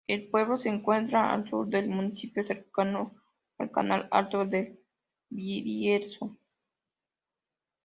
El pueblo se encuentra al sur del municipio, cercano al Canal Alto del Bierzo.